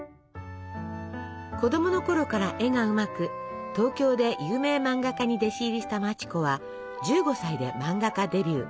子供のころから絵がうまく東京で有名漫画家に弟子入りした町子は１５歳で漫画家デビュー。